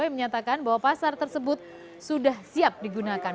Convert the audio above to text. menyatakan bahwa pasar tersebut sudah siap digunakan